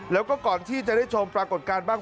แล้วก็ก่อนที่จะได้ชมปรากฏการณ์บ้าง